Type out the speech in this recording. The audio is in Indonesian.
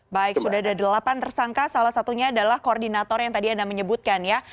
baik sudah ada delapan tersangka salah satunya adalah koordinator yang tadi anda menyebutkan ya